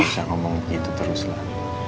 gak usah ngomong begitu terus lah